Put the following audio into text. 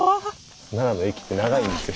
奈良の駅って長いんですよ